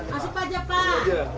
masuk aja pak